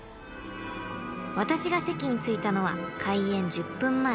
［私が席に着いたのは開演１０分前］